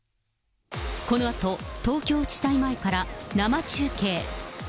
このあと、東京地裁前から生中継。